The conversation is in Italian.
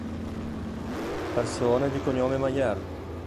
Persone di cognome Mayer